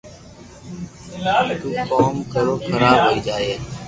نو ڪرو ڪوم حراب ھوئي جائي